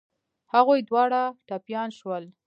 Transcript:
هغوی دواړه ټپيان شول.